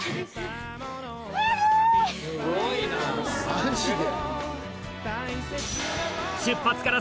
マジで？